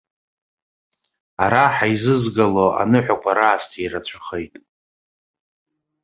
Ара ҳаизызгало аныҳәақәа раасҭа ирацәахеит.